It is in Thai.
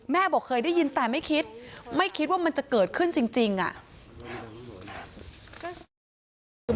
บอกเคยได้ยินแต่ไม่คิดไม่คิดว่ามันจะเกิดขึ้นจริงอ่ะ